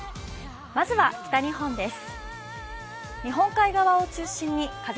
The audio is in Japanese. まずは北日本です。